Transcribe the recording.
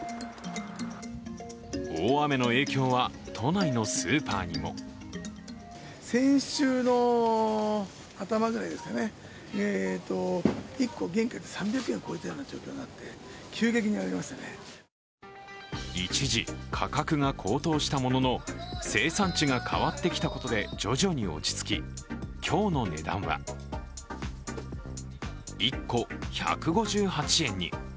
大雨の影響は、都内のスーパーにも一時、価格が高騰したものの生産地が変わってきたことで徐々に落ち着き、今日の値段は１個１５８円に。